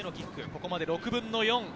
ここまで６分の４。